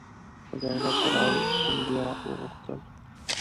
دولت راو سیندهیا وغوښتل.